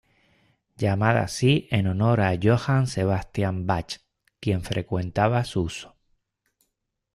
Llamada así en honor a Johann Sebastian Bach, quien frecuentaba su uso.